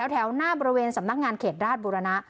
แถวหน้าบริเวณสำนักงานเขตราชบุรณะ